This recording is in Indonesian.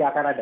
itu akan ada